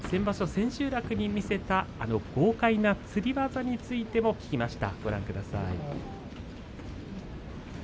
千秋楽に見せたあの豪快な、つり技についても聞きました。